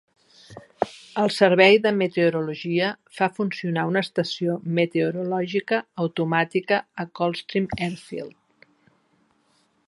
El servei de meteorologia fa funcionar una estació meteorològica automàtica a Coldstream Airfield.